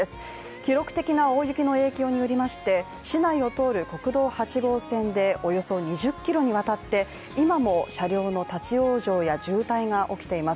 記録的な大雪の影響によりまして市内を通る国道８号線でおよそ２０ｋｍにわたって今も車両の立往生や渋滞が起きています。